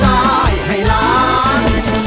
ภูมิสุภาพยาบาลภูมิสุภาพยาบาล